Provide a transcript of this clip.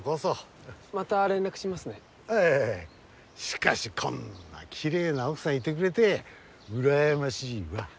しかしこんなきれいな奥さんいてくれてうらやましいわ。